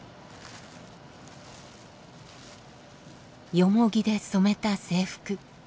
ヨモギで染めた制服。